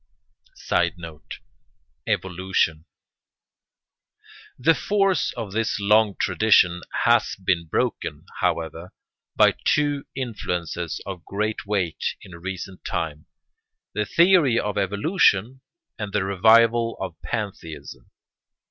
] [Sidenote: Evolution] The force of this long tradition has been broken, however, by two influences of great weight in recent times, the theory of evolution and the revival of pantheism.